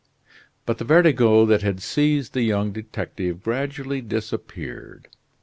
But the vertigo that had seized the young detective gradually disappeared.